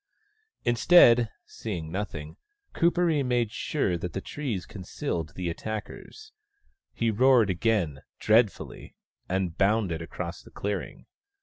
Instead, seeing nothing, Kuperee made sure that the trees concealed the attackers. He roared again, dreadfully, and bounded across the clearing.